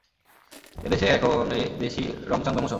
এ-দেশে এখন এ-দেশী রঙচঙ ব্যামো সব।